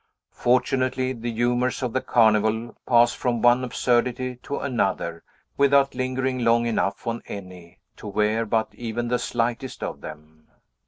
Fortunately the humors of the Carnival pass from one absurdity to another, without lingering long enough on any, to wear out even the slightest of them.